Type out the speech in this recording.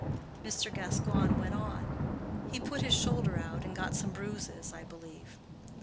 Mr. Gascoigne went on: "He put his shoulder out, and got some bruises, I believe."